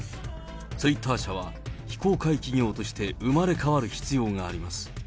ツイッター社は、非公開企業として生まれ変わる必要があります。